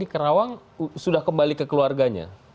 iya kan terus kan saya suruh bapaknya kembali ke rumah dia kan